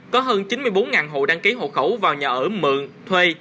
có hơn chín mươi bốn hộ đăng ký hộ khẩu vào nhà ở mượn thuê